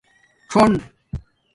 ݼݸن